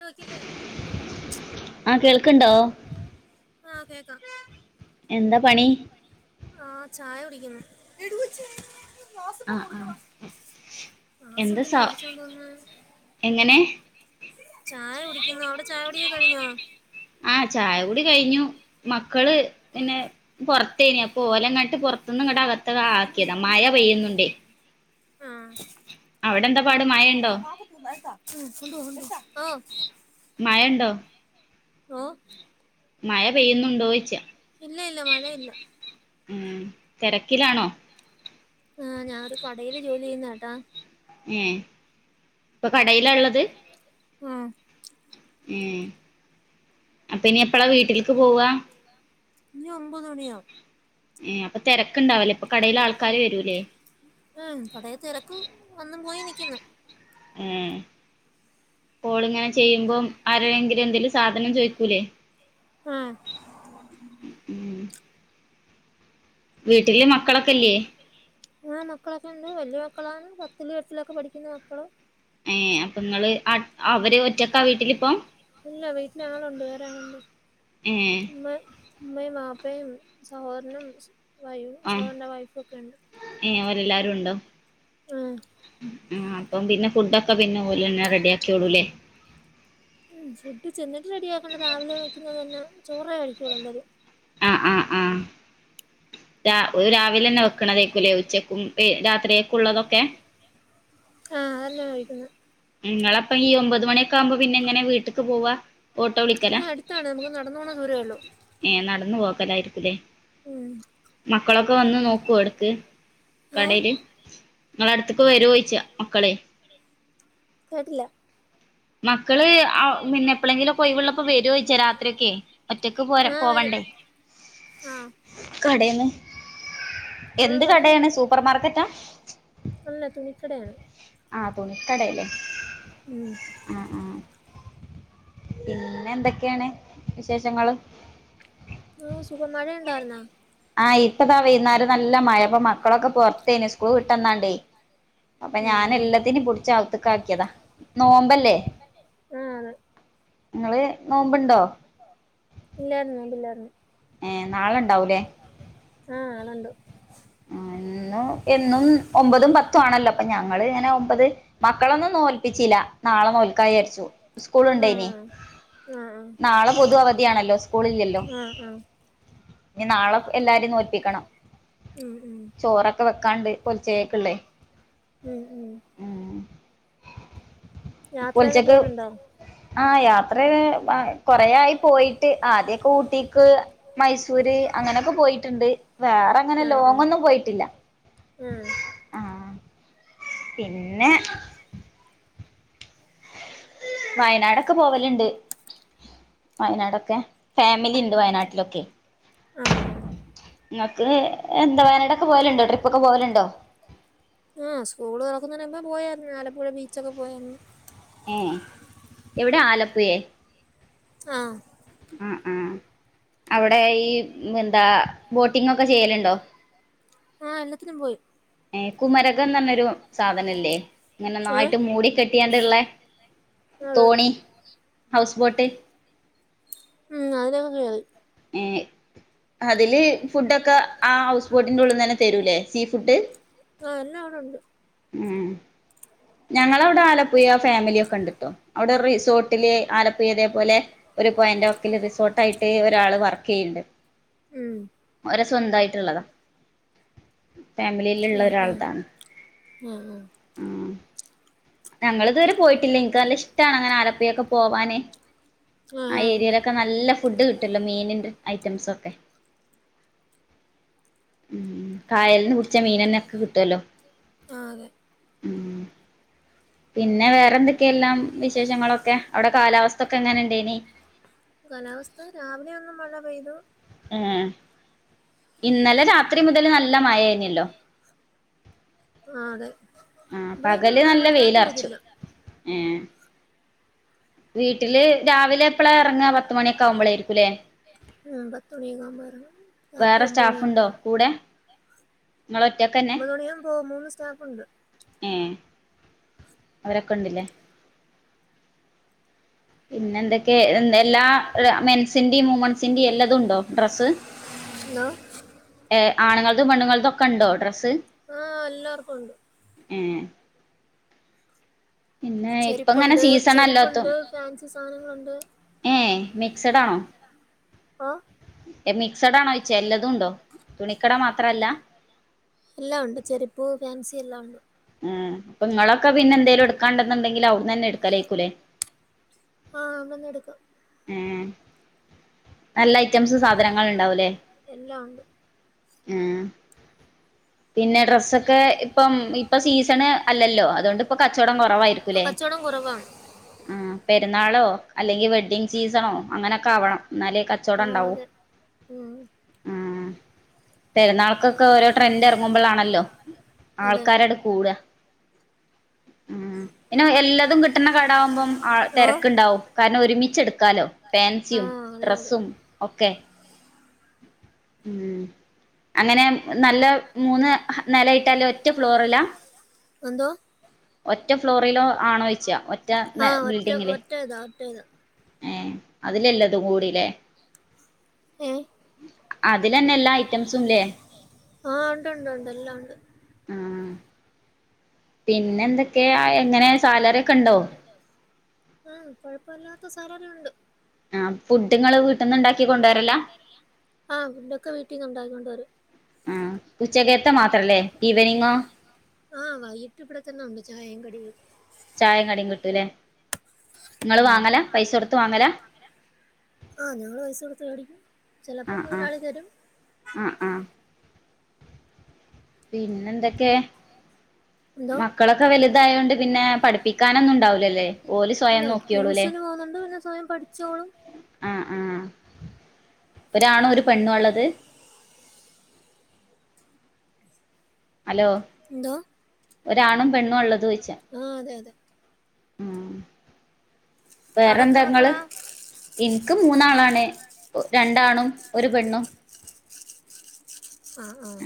കേൾക്കില്ലേ ആ കേൾക്കണ്ടോ ആഹ് കേൾക്കാം എന്താ പണി ആഹ് ചായ കുടിക്കുന്നു ക്ലാസ്സ്‌ ആ ഇപ്പൊ ആ കൊടുക്കണം ക്ലാസ്സ് എന്താ എന്തിന് സ മേടിച്ചോണ്ട് വന്ന് എങ്ങനെ ചായ കുടിക്കുന്നു അവിടെ ചായകുടി ഒക്കെ കഴിഞ്ഞോ ആഹ് ചായ കുടി കഴിഞ്ഞു മക്കള് ന്നെ പുറത്തേനി അപ്പൊ ഓലെങ്ങട്ട് പുറത്തുന്ന് ഇങ്ങട്ട് അകത്ത്ക്ക് ആക്കിയതാ മഴ പെയ്യുന്നുണ്ടേ ആ അവിടെന്താ [unintelligible] മഴ ഉണ്ടോ ഓഹ് മഴ പെയ്യുന്നുണ്ടോയ്ച്ച ഇല്ല ഇല്ല മഴയില്ല ഉം തിരക്കിലാണോ ആഹ് ഞാനൊരു കടയില് ജോലി ചെയ്യുന്ന കേട്ടാ ഏഹ് ഇപ്പൊ കടയില ള്ളത് ആഹ് ഏഹ് അപ്പൊ ഇനി എപ്പഴാ വീട്ടിലേക്ക് പോവ ഇനി ഒൻമ്പത് മണിയാവും ഏഹ് അപ്പ തിരക്കുണ്ടാവൂലെ ഇപ്പൊ കടയിൽ ആൾക്കാര് വരൂല്ലേ ഉം കടയിൽ തിരക്ക് വന്നും പോയിം നിക്കിന്ന് ഏഹ് കോളിങ്ങനെ ചെയ്യുമ്പോം ആരെങ്കിലും എന്തേലും സാധനം ചോയ്ക്കൂലേ ഉം ഉം വീട്ടില് മക്കളൊക്കെല്ലേ ആ മക്കളൊക്കെ ഉണ്ട് വല്യ മക്കളാണ് പത്തിലും എട്ടിലൊക്കെ പഠിക്കുന്ന മക്കള് ഏഹ് അപ്പൊ ങ്ങൾ ഇല്ല വീട്ടിലാളുണ്ട് വേറെ ആളുണ്ട് ഏഹ് മ്മ ഉമ്മയും വാപ്പയും സഹോദരനും വൈ ആഹ് സഹോരൻ്റെ വൈഫൊക്കെ ഉണ്ട് ഏഹ് ഓല് എല്ലാരും ണ്ടോ ആഹ് ആഹ് അപ്പം പിന്നെ ഫുഡൊക്കെ പിന്നെ ഓലെന്നെ റെഡി ആക്കിക്കോളുംലെ ഉം ഫുഡ് ചെന്നിട്ട് റെഡിയാക്കേണ്ട രാവിലെ വെക്ക്ന്നത് തന്നെ ചോറേ കഴിക്കോള്ളൂ എല്ലാരും ആഹ് ആഹ് ആഹ് രാ ഓല് രാവിലെ തന്നെ വെക്കണതേക്കല്ലേ ഉച്ചക്കും രാത്രിയൊക്ക ഉള്ളതൊക്കെ ആഹ് അതെന്നെയാ കഴിക്കുന്നത് നിങ്ങള അപ്പ ഈ ഒമ്പത് മണിയൊക്കെ ആകുമ്പോ പിന്നെ എങ്ങനെ വീട്ട്ക്ക് പോവാ ഓട്ടോ വിളിക്കലാ ഇത് അടുത്താണ് നമുക്ക് നടന്നോണ ദൂരേള്ളൂ ഏഹ് നടന്നു പോകലായിരിക്കുംല്ലേ ഉം മക്കളൊക്കെ വന്ന് നോക്കുവോ എടക്ക് ഏ കടയില് ങ്ങള അടുത്ത്ക്ക് വരോയ്ച്ച മക്കളെ കേട്ടില്ല മക്കള് പിന്നെ എപ്പളെങ്കിലുംഒക്കെ ഒയ്‌വ്ള്ളപ്പോ വരോയ്ച്ച രാത്രിയൊക്കെ ഒറ്റക്ക് പോരാ ആ വരും പോവണ്ടേ ആ കടേന്ന് ആ എന്ത് കട വരും കടയാണ് സൂപ്പർമാർക്കറ്റാ അല്ല തുണിക്കടയാണ് ആഹ് തൂണിക്കടയല്ലേ ഉം ഉം ഉം പിന്നെ എന്തൊക്കെയാണ് വിശേഷങ്ങള് ആഹ് സുഖം. മഴ ഉണ്ടായിരുന്നോ ആഹ് ഇപ്പതാ വൈന്നാരം നല്ല മഴ അപ്പ മക്കളൊക്കെ പോർത്തേന് സ്കൂൾ വിട്ടന്നണ്ടേ അപ്പൊ ഉം, ഞാൻ ഉം. എല്ലാത്തിനും പുടിച്ച്‌ അവുത്തിക്കാക്കിയതാ നോമ്പല്ലേ. ആ അതെ നിങ്ങള് നോമ്പണ്ടോ. ണ്ടോ, ഇല്ല നോമ്പ് ഇല്ലായിരുന്നു ഏഹ് നാളെ ഇണ്ടാവുല്ലേ ആഹ് നാളെ ഇണ്ട് ഉം ഇന്നും എന്നും ഒമ്പതും പത്തും ആണല്ലോ അപ്പൊ ഞങ്ങള് ഇങ്ങനെ ഒമ്പത് മക്കളൊന്നും നോല്പിച്ചില്ല നാളെ നോൽക്കാ വിചാരിച്ചു സ്കൂൾ ഇണ്ടായിന് ആഹ് ആഹ് നാളെ പൊതു അവധിയാണല്ലോ സ്കൂളില്ലല്ലോ ആഹ് ആഹ് ഇനി നാളെ എല്ലാരെയും നോൽപ്പിക്കണം ഉം ഉം ചോറൊക്കെ വെക്കാണ്ട് പേലച്ചേകേക്കുല്ലേ ഉം യാത്രയൊക്കെ പോൽച്ചക്ക് പോവലുണ്ടോ ആഹ് യാത്ര ആഹ് കൊറേ ആയി പോയിട്ട് ആദ്യൊക്കെ ഊട്ടിക്ക് മൈസൂര് അങ്ങനെയൊക്കെ പോയിട്ടുണ്ട് വേറെങ്ങനെ ലോങ്ങൊന്നും പോയിട്ടില്ല. ഉം ആ പിന്നെ വയനാടൊക്കെ പോവലണ്ട് വയനാടൊക്കെ ഫാമിലി ഇണ്ട് വയനാട്ടിലൊക്കെ ആഹ് ആഹ് നിങ്ങക്ക് എന്താ വയനാടൊക്കെ പോവലുണ്ടോ ട്രിപ്പ് ഒക്കെ പോവലുണ്ടോ. ആഹ് സ്കൂള് തുറക്കുന്ന മുമ്പൊക്കെ പോയായിരുന്നു ആലപ്പുഴ ബീച്ചൊക്കെ പോയായിരുന്നു. ഏഹ് എവിടെ ആലപ്പുയെ ആഹ് ഉം ഉം അവിടെ ഈ എന്താ ബോട്ടിംഗ് ഒക്കെ ചെയ്യലുണ്ടോ. ആഹ് എല്ലാത്തിനും പോയി ഏഹ് കുമരകം എന്ന് പറഞ്ഞൊരു സാധനല്ലേ ഇങ്ങനെ ഏഹ് നായിട്ട് മൂടിക്കെട്ടി ങ്ങാണ്ടില്ലേ, അതെ തോണി ഹൗസ് ബോട്ട് ഉം ആയിലൊക്കെ കേറി ഏഹ് അതില് ഫുഡൊക്കെ ആ ഹൗസ് ബോട്ടിന്റെ ഉള്ളിനെന്നെ തരൂല്ലേ സീ ഫുഡ്. ആഹ് എല്ലാം അവിടെ ഇണ്ട് ഉം ഞങ്ങളെ അവിടെ ആലപ്പുഴ ഫാമിലിയൊക്കെ ഇണ്ട്ട്ടോ അവിടെ റിസോർട്ട് ട്ടില് ആലപ്പുഴ ഇതേ പോലെ ഒരു പോഴന്റെ വാക്കില് റിസോട്ട് ആയിട്ട് ഒരാള് വർക്ക് ചെയ്യണ്ട്. ഉം ഒരെ സ്വന്തായിട്ടുള്ളതാ. ആഹ് ആഹ് ആഹ് ആഹ് ഞങ്ങള് ഇതുവരെ പോയിട്ടില്ല എനിക്ക് നല്ല ഇഷ്ട്ടാണ് അങ്ങനെ ആലപ്പുഴൊക്കെ പോവാന് ആ ആഹ് ഏരിയയിലൊ ക്കെ നല്ല ഫുഡ് കിട്ടല്ലോ മീനിന്റെ ഐറ്റംസ് ഒക്കെ. ഉം കായലന്ന് കുടിച്ച മീനന്നെ ഒക്കെ കിട്ടുവല്ലോ.. ആഹ് അതെ ഉം പിന്നെ വേറെന്തൊക്കെയ എല്ലാം വിശേഷങ്ങളൊക്കെ അവിടെ കാലാവസ്ഥ ഒക്കെ എങ്ങനെ ഉണ്ടനി. ആഹ് രാവിലെ ഒന്ന് മഴ പെയ്തു ഉം ഇന്നലെ രാത്രി മുതൽ നല്ല മഴെനിയല്ലോ ആഹ് അതെ ആ ഇവിടെങ്ങും അങ്ങനെ വലുതായിട്ട് വരില്ല ഉം വീട്ടില് രാവിലെ എപ്പളഎറങ്ങ പത്ത മണിയൊക്കാവുമ്പളായിരിയ്ക്കുല്ലേ ഉം പത്തു മണിയൊക്കെ ആവുമ്പോ ഇറങ്ങു രാത്രി ഒമ്പത് മണിയാവുമ്പോ പോവും ങ്ങള് ഒറ്റൊക്കന്നെ ഒമ്പത് മണിയാവുമ്പോ പോവും മൂന്ന് സ്റ്റാഫുണ്ട് ഏഹ്‌ അവരൊക്കെണ്ടില്ലേ പിന്നെ എന്തൊക്കെ എ എല്ലാ മെൻസിന്റെയും മൂമെൻസിന്റെയും എല്ലാതും ഉണ്ടോ ഡ്രസ്സ് ഹലോ ഏഹ് ആണുങ്ങളൾതും പെണ്ണുങ്ങളൾതും ഒക്കെ ഉണ്ടോ ഡ്രസ്സ് ആഹ് എല്ലാർക്കും ഉണ്ട് ഉം പിന്നെ ഇപ്പങ്ങനെ ചെരിപ്പുണ്ട് സീസണല്ലാത്തും ചെരിപ്പുണ്ട് ഫാൻസി സാധനങ്ങളുണ്ട് ഏഹ്‌ മിക്സഡ് ആണോ ആഹ് മിക്സ്ടാണോയ്ച്ച എല്ലതുംണ്ടോ തുണിക്കട മാത്രല്ല എല്ലാം ഉണ്ട് ചെരുപ്പ് ഫാൻസി എല്ലാം ഉണ്ട് ഉഹ്മ് അപ്പൊ ങ്ങളൊക്കെ പിന്നെ എന്തേലും എടുക്കാണ്ടന്നുണ്ടെങ്കില് അവ്ട്ന്നന്നെ എടുക്കലേക്കൂലേ ആഹ് വന്നെടുക്കാം ഉം നല്ല ഐറ്റംസ് സാധനങ്ങൾ ണ്ടാവൂല്ലേ എല്ലാം ഉണ്ട് ഉം പിന്നെ ഡ്രസ്സൊക്കെ ഇപ്പം ഇപ്പൊ സീസണ് അല്ലല്ലോ അതോണ്ട് പ്പം കച്ചവടം ഇപ്പൊ കുറവായിരിക്കൂല്ലേ കച്ചവടം കുറവാണ് ആഹ് പെരുന്നാളോ അല്ലെങ്കിൽ വെഡിങ് സീസണോ അങ്ങനെയൊക്കെ ആവണം എന്നാലേ ആഹ് കച്ചോടംണ്ടാവൂ അതെ ഉം ഉം പെരുന്നാൾക്കൊക്കെ ഓരോ ട്രെൻഡ് എറങ്ങുമ്പോളാണല്ലോ അതെ ആൾക്കാരടു കൂട ഉം പിന്നെ എല്ലതും കിട്ടുന്ന കട ആമ്പം ആഹ് ഓഹ് തെരക്കുണ്ടാവും കാരണം ഒരുമിച്ചെടുക്കാലോ ഫാൻസിയും ആഹ് അതെ അതെ ഡ്രസ്സും ഒക്കെ ഉം അങ്ങനെ നല്ല മൂന്ന് നെലയിട്ട ല്ല ഒറ്റ ഫ്ലോറിലാ എന്തോ ഒറ്റ ഫ്ലോറിൽ ആഹ് ഒറ്റ ഒറ്റേതാ ഒറ്റേതാ ഏഹ്‌ അതിലല്ലാതും കൂടില്ലേ ഏഹ് അതിലന്നെ എല്ലാ ഐറ്റംസുംല്ലേ ആഹ് ഉണ്ട് ഉണ്ട് ഉണ്ട് എല്ലാം ഉണ്ട് ഉം പിന്നെന്തൊക്കെ എങ്ങനെ സാലറിക്കെ ണ്ടോ ആഹ്‌ കൊഴപ്പല്ലാത്ത സാലറിയുണ്ട് ആഹ് ഫുഡങ്ങള് വീട്ടന്നണ്ടാക്കി കൊണ്ടരലാ ആഹ് ഫുഡൊക്കെ വീട്ടിന്ന് ഉണ്ടാക്കി കൊണ്ടു വരും ആഹ് ഉച്ചകത്തെ മാത്രല്ലേ ഈവനിങ്ങോ ആഹ് വൈകിട്ട് ഇവിടെ തന്നെ ഒണ്ട് ചായേം കടിയും ചായേം കടീം കിട്ടൂലേ ഇങ്ങള് വാങ്ങലാ പൈസ കൊടുത്ത് വാങ്ങലാ ആഹ് ഞങ്ങള് പൈസ കൊടുത്ത് മേടിക്കും ചെലപ്പോ മുതലാളി തരും ആഹ് ആഹ് പിന്നെന്തൊക്കെ എന്തോ മക്കളൊക്കെ വലുതായോണ്ട് പിന്നെ പഠിപ്പിക്കാനൊന്നും ഉണ്ടാവൂലല്ലേ ഓല് സ്വയം നോക്കിയോളൂല്ലേ പോന്നൊണ്ട് പിന്നെ സ്വയം പഠിച്ചോളും ആഹ്‌ ആഹ്‌ ഒരാണും ഒരു പെണ്ണുവാ ള്ളത് ഹലോ എന്തോ ഒരാണും പെണ്ണുവാ ഉള്ളത് ചോദിച്ചെ ആഹ് അതെ അതെ. അവിടെ വേറെന്താ എത്ര ഇങ്ങള്? മക്കളാ ഇൻക് മൂന്നാളാണ്. രണ്ടാണും ഒരു പെണ്ണും. ആഹ് ആഹ്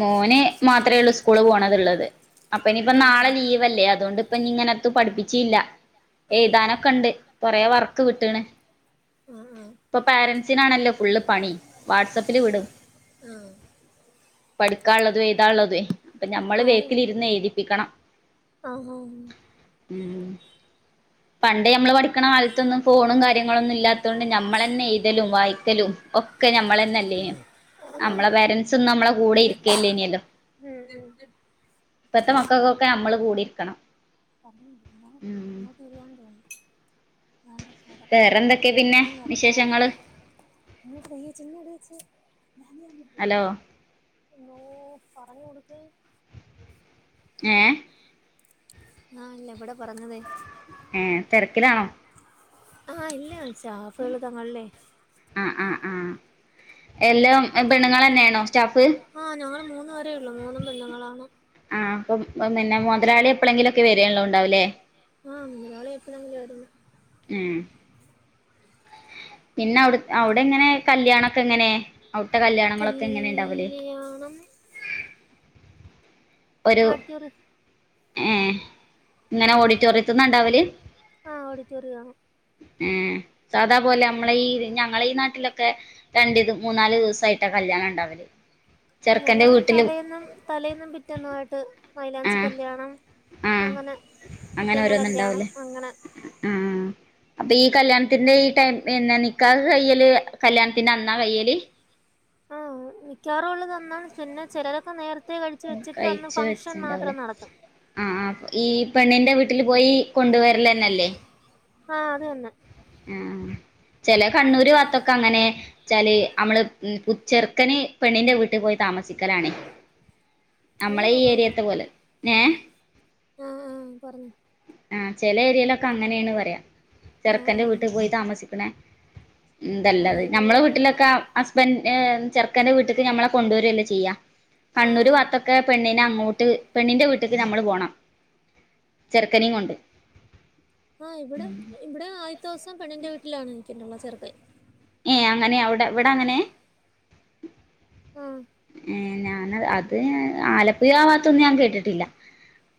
മോന് മാത്രേ ഉള്ളൂ സ്കൂള് പോണതുള്ളത് അപ്പ ഇനിയിപ്പോ ആഹ് ആഹ് നാളെ ആഹ് ലീവല്ലേ അതുകൊണ്ട് ഇപ്പൊ ഇങ്ങനെത്തും പഠിപ്പിച്ചൂല്ല. ഓ ഓ എയുതാനൊക്കെ ഉണ്ട് കൊറേ വർക്ക് വിട്ട്ക്കണ്. ആഹ് ഇപ്പൊ പാരൻസിനാണല്ലോ ഫുള്ള്പണി. വാട്സ്ആപ്പില് വിടും ആഹ് പഠിക്കാള്ളതും എയുതാള്ളതുവേ. അപ്പൊ ഞമ്മള് ബേക്കിലിരുന്ന് എയുതിപ്പിക്കണം. ആഹ് ആഹ് ഉം പണ്ട് ഞമ്മള് പഠിക്കണ കാലത്തൊന്നും ഫോണും കാര്യങ്ങളൊന്നും ഇല്ലാത്ത കൊണ്ട് ഞമ്മളന്നെ എയുതലും വായിക്കലും ഒക് ക്കെ ഞമ്മളന്നല്ലേനു ആഹ് അമ്മളെ പേരൻ്റ്സും നമ്മളെ കൂടെ ഇരിക്കല്ലേ ഇനിയല്ലോ? ഉം ഉം ഇപ്പത്തെ മക്കക്കൊക്കെ നമ്മള് കൂടിരിക്കണം. ഉം [unintelligible] വേണ്ട അത കട പൂട്ടുന്നു വേറെന്തൊക്കെയാ എവിടെ പിന്നെ പോകാൻ നോക്കട്ടെ വിശേഷങ്ങള്? [unintelligible] [unintelligible] ഹലോ നോ പറഞ്ഞു കൊടുക്ക്. ഏ ആഹ് ഇല്ല ഇവിടെ പറഞ്ഞതേ ഏ തിരക്കിലാണോ? ആഹ് ഇല്ല സ്റ്റാഫുകള് തങ്ങളിലേ ആഹ് ആഹ് ആഹ് എല്ലാം പെണ്ണുങ്ങൾ തന്നെയാണോ സ്റ്റാഫ്? ആഹ് ഞങ്ങള് മൂന്നുപേരേ ഉള്ളൂ. മൂന്നും പെണ്ണുങ്ങളാണ്. ആഹ് അപ്പോ അപ്പം പിന്നെ മുതലാളി എപ്പളെങ്കിലും ഒക്കെ വര്യേള്ളുണ്ടാവുള്ളൂ അല്ലേ ആഹ് മുതലാളി എപ്പഴെങ്കിലുവാ വരുന്നെ. ഉം പിന്നെ അവിടെ അവിടെ എങ്ങനെ കല്യാണം ഒക്കെ എങ്ങനെ? അവിടുത്തെ കല്യാണങ്ങളൊക്കെ എങ്ങനെ ഉണ്ടാവല്? ല്യാണം ഒരു ആഡിറ്റോറിയം ഏഹ് ഇങ്ങനെ ഓഡിറ്റോറിയത്തിന്നാ ഇണ്ടാവല്? ആഹ് ഓഡിറ്റോറിയാ ഏഹ് സാധാപോലെ നമ്മളെ ഈ ഞങ്ങളെ ഈ നാട്ടിലൊക്കെ രണ്ടിത് മൂന്നാല് ദിവസായിട്ടാ കല്യാണം ഇണ്ടാവല് ആഹ് ഞങ്ങള് തലേന്നും തലേന്നും പിറ്റേന്നും ആയിട്ട് മൈലാഞ്ചി ആഹ് കല്യാണം ആഹ് അങ്ങനെ അങ്ങനെ പിറ്റേന്ന് ഓരോന്ന് കല്യാണം ഉണ്ടാവൂലേ അങ്ങനെ ആഹ് അപ്പൊ ഈ കല്യാണത്തിന്റെ ഈ ടൈം എന്നാ നിക്കാഹ് കഴിയല് കല്യാണത്തിന്റെ അന്നാ കഴിയല്? ആഹ് മിക്കവാറും ഉള്ളത് അന്നാണ് പിന്നെ ചിലതൊക്കെ നേരത്തെ കഴിച്ച് വെച്ചിട്ട് അന്ന് ഫംഗ്ഷൻ മാത്രം നടത്തും ആഹ് ആഹ് ഈ പെണ്ണിന്റെ വീട്ടില് പോയി കൊണ്ട് വരലന്നല്ലേ? ആഹ് അത് തന്നെ ആഹ് ചെല കണ്ണൂര് ഭാഗത്തൊക്കെ അങ്ങനെ ച്ചാല് അമ്മള് ചെറുക്കന് പെണ്ണിന്റെ വീട്ടിൽ പോയി താമസിക്കലാണ് കഴുകി നമ്മളെ ഈ കൊടുക്കണോ അമ്മേ ഏരിയത്ത് പോലെ ഏഹ് ആഹ് ആഹ് പർഞ്ഞോ ആഹ് ചെല ഏരിയിലൊക്കെ അങ്ങനെണ് പറയാ ആഹ് ക്കന്റെ ആഹ് വീട്ടിൽ പോയി താമസിക്ണെ ആ ന്തല്ലത് ഞമ്മളെ ഇവിടെ അങ്ങ് വീട്ടിലൊക്കെ ഹസ്ബൻ ചെറുക്കന്റെ വീട്ടിക്ക് നമ്മളെ കൊണ്ടുവരല്ലേ ചെയ്യാ ആ കണ്ണൂര് ഭാത്തൊക്കെ പെണ്ണിനെ അങ്ങോട്ട് പെണ്ണിന്റെ വീട്ടി നമ്മള് പോണം ചെർക്കനിം കൊണ്ട് ആഹ് ഇവടെ ഇവടെ ആദ്യത്തെ ദിവസം പെണ്ണിന്റെ വീട്ടിലാണ് നിക്കിള്ളത് ചെറ്ക്കൻ ഏഹ് അങ്ങനെ അവ്ടെ ഇവടെ അങ്ങനെ ആഹ് ഏഹ് ഞാന അത് ആലപ്പുഴ ആവാത്തൊന്നും ഞാൻ കേട്ടിട്ടില്ല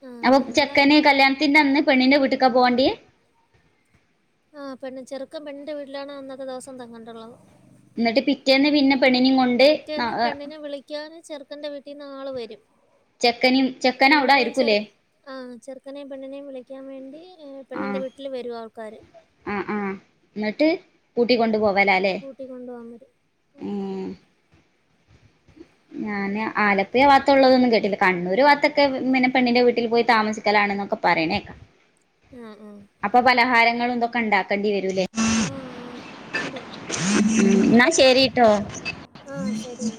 ആ അപ്പൊ ഞങ്ങൾ ചെക്കന് കല്യാണത്തിന്റെ അന്ന് പെണ്ണിന്റെ വീട്ടിക്കാ പോണ്ടിയെ? ആഹ് പെണ്ണ് ചെറുക്കം പെണ്ണിന്റെ വീട്ടിലാണ് അന്നത്തെ ദിവസം തങ്ങണ്ടള്ളത് ഇന്നട്ട് പിറ്റെന്ന് പിന്നെ പെണ്ണിനും കൊ പിറ്റേന്ന് പെണ്ണിനെ വിളിക്കാന് ചെറുക്കന്റെ വീട്ടീന്ന് ആള് വരും ചെക്കനിം ചെക്കന് അവ്ടായിരിക്കൂല്ലേ? ആഹ് ചെറുക്കനിം പെണ്ണിനേം വിളിക്കാൻ വേണ്ടി പെണ്ണന്റെ ആഹ് വീട്ടിൽ വരും ആൾക്കാര് ആഹ് ആഹ് ഇന്നട്ട് കൂട്ടി കൊണ്ടു പോവാലാല്ലേ ട്ടി കൊണ്ടു പോകാൻ വരും ഞാന് ആലപ്പുഴ വാത്തുള്ളതൊന്നും കേട്ടിട്ടില്ല കണ്ണൂര് വാത്തൊക്കെ പിന്നെ പെണ്ണിന്റെ വീട്ടിൽ പോയി താമസിക്കലാണ് ന്നൊക്കെ പറിണെക്കാ ആഹ് ആഹ് അപ്പം പലഹാരങ്ങളും ഇതോക്കെ ഇണ്ടാക്കണ്ടി വരുംലെ? ആഹ് ആഹ് ഉണ്ട് ന്നാ ശരിട്ടോ ആഹ് ശരി